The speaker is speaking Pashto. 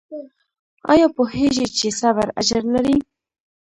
ایا پوهیږئ چې صبر اجر لري؟